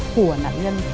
của nạn nhân